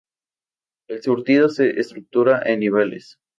El surtido se estructura en niveles.